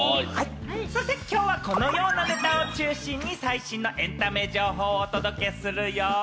そしてきょうは、このようなネタを中心に最新のエンタメ情報をお届けするよ。